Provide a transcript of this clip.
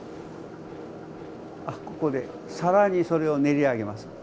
あここで更にそれを練り上げます。